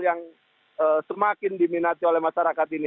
yang semakin diminati oleh masyarakat ini